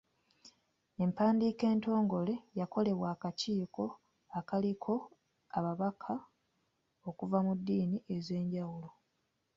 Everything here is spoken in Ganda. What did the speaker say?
Empandiika entongole yakolebwa akakiiko akaaliko ababaka okuva mu ddiini ez’enjawulo.